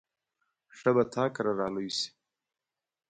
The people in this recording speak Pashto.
ښه به تا کره را لوی شي.